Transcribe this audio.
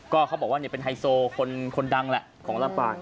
ก็เขาบอกว่าเป็นไฮโซคนดังแหละของลำปาง